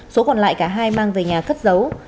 số còn lại cả hai mang về nhà cất giấu